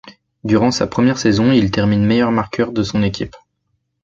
Durant sa première saison, il termine meilleur marqueur de son équipe.